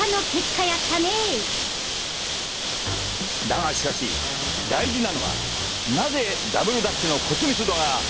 だがしかし大事なのはなぜダブルダッチの骨密度が最も高かったのか？